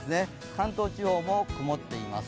関東地方も曇っています。